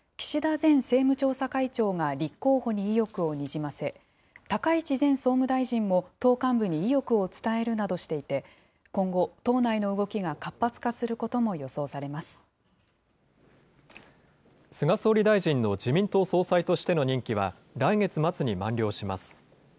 前政務調査会長が立候補に意欲をにじませ、高市前総務大臣も党幹部に意欲を伝えるなどしていて、今後、党内の動きが活発化することも予想さ菅総理大臣の自民党総裁としての任期は、来月末に満了します。